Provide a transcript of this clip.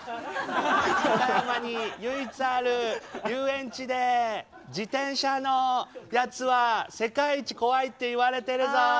岡山に唯一ある遊園地で自転車のやつは世界一怖いっていわれてるぞ。